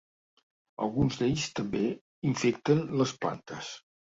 Alguns d'ells també infecten les plantes.